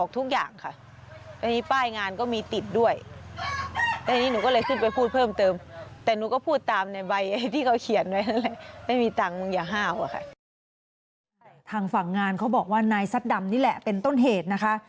ทางฝั่งงานเขาบอกว่านายซัดดำนี่แหละเป็นต้นเหตุนะคะ